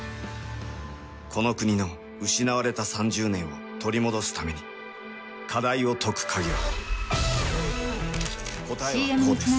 この国の失われた３０年を取り戻すために課題を解く鍵は。